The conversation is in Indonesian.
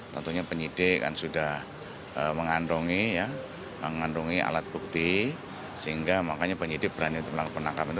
tentunya penyidik kan sudah mengandungi alat bukti sehingga makanya penyidik berani untuk melakukan penangkapan itu